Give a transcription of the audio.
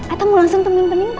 atau mau langsung temuin bening pak